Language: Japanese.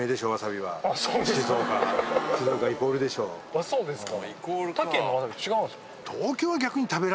あそうですか。